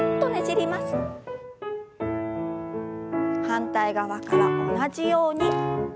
反対側から同じように。